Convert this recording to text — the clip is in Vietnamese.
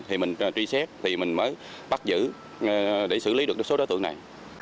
thì mình truy xét thì mình mới bắt giữ để xử lý được số đối tượng này